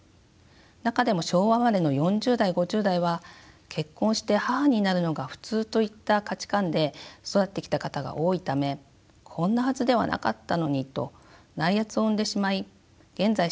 中でも昭和生まれの４０代５０代は結婚して母になるのが普通といった価値観で育ってきた方が多いためこんなはずではなかったのにと内圧を生んでしまい現在